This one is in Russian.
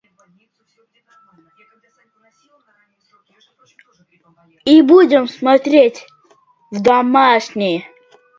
Как неуместен этот страх.